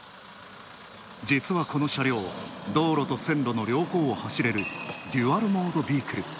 実はこの車両、道路と線路を両方を走れるデュアル・モード・ビークル。